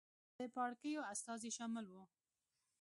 د پاړکیو استازي شامل وو.